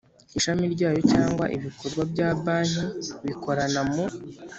Ishami ryayo cyangwa ibikorwa bya banki bikorana mu